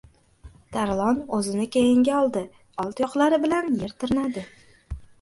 Tarlon o‘zini keyinga oldi. Old tuyoqlari bilan yer tirnadi.